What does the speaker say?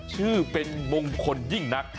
ชื่อเป็นมงคลยิ่งนัก